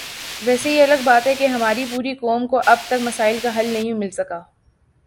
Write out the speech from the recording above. ویسے یہ الگ بات ہے کہ ہماری پوری قوم کو اب تک مسائل کا حل نہیں مل سکا